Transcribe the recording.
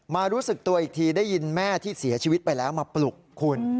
รู้สึกตัวอีกทีได้ยินแม่ที่เสียชีวิตไปแล้วมาปลุกคุณ